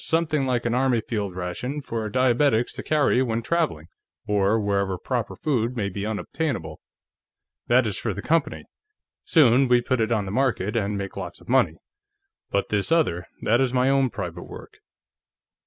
Something like an Army field ration, for diabetics to carry when traveling, or wherever proper food may be unobtainable. That is for the company; soon we put it on the market, and make lots of money. But this other, that is my own private work."